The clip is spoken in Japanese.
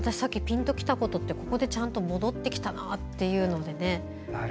ですから私ピンと来たことってここでちゃんと戻ってきたなというのでね